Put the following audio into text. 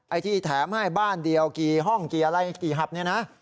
ไอ้ที่แถมให้บ้านเดียวกี่ห้องกี่อะไรกี่หับเนี่ยนะ